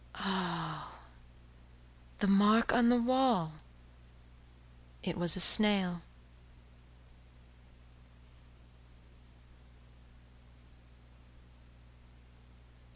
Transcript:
Ah, the mark on the wall! It was a snail.